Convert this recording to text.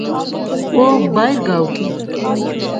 او باہر گا اوٹھی